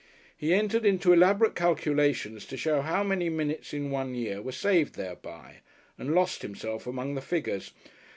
He entered into elaborate calculations to show how many minutes in one year were saved thereby, and lost himself among the figures.